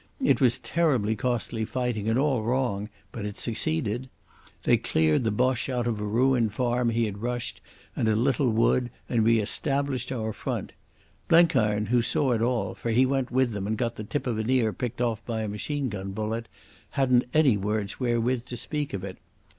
It was terribly costly fighting and all wrong, but it succeeded. They cleared the Boche out of a ruined farm he had rushed, and a little wood, and re established our front. Blenkiron, who saw it all, for he went with them and got the tip of an ear picked off by a machine gun bullet, hadn't any words wherewith to speak of it.